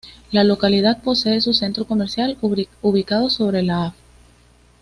La localidad posee su centro comercial ubicado sobre la Av.